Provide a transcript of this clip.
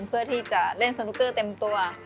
เพื่อที่จะเล่นสนุกเกอร์เต็มตัว